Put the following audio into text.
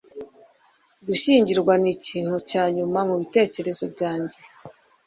Gushyingirwa nikintu cya nyuma mubitekerezo byanjye